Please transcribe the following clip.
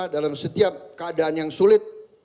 dalam setiap keadaan yang sulit